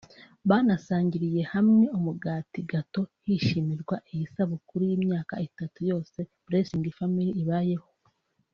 banasangiriye hamwe umugati (Gateau) hishimirwa iyi sabukuru y’imyaka itatu yose Blesings Family ibayeho